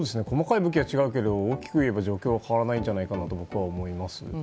細かい武器は違うけれども大きく言えば状況は変わらないんじゃないかなと僕は思います。